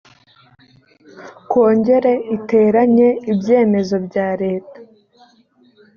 kongere iteranye ibyemezo bya leta